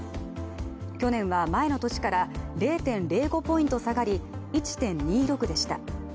去年は前の年から０．０５ポイント下がり１．２６でした。